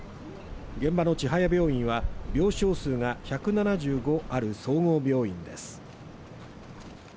現場の千早病院は病床数が１７５ある総合病院です